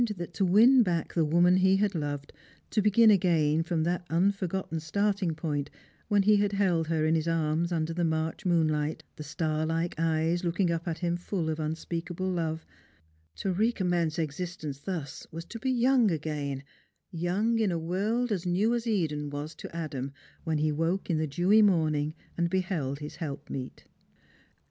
that to win back the woman he had loved, to begin again from that unforgotten starting point when he had held her in his arms under the March moonlight, the star like eyes looking up at him full of unspeakable love, to recommence existence thus was to be young again, young in a world as new as Eden was to Adam when he woke in the dewy morning and beheld his help meet.